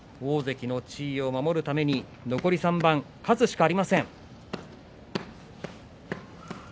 大関の地位を守るために残り３番勝つしかありません。